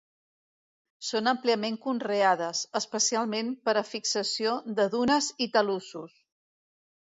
Són àmpliament conreades, especialment per a fixació de dunes i talussos.